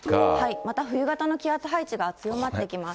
また冬型の気圧配置が強まってきます。